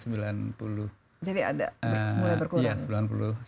jadi ada mulai berkurang